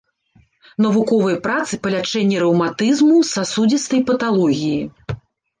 Навуковыя працы па лячэнні рэўматызму, сасудзістай паталогіі.